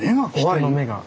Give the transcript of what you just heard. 人の目が。